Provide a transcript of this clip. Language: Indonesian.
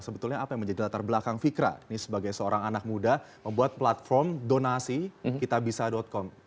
sebetulnya apa yang menjadi latar belakang fikra sebagai seorang anak muda membuat platform donasi kitabisa com